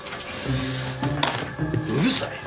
うるさいよ。